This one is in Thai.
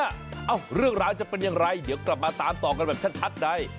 เอ้าเรื่องราวจะเป็นอย่างไรเดี๋ยวกลับมาตามต่อกันแบบชัดใน